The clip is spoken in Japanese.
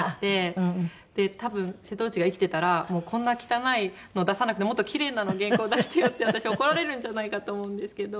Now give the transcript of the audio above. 多分瀬戸内が生きてたら「もうこんな汚いのを出さなくてもっとキレイな原稿出してよ」って私怒られるんじゃないかと思うんですけど。